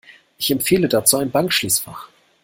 Ich empfehle dazu ein Bankschließfach.